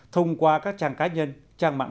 thông qua các trang cá nhân trang mạng